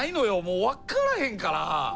もう分からへんから。